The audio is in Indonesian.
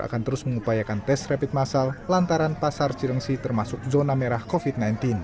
akan terus mengupayakan tes rapid massal lantaran pasar cilengsi termasuk zona merah covid sembilan belas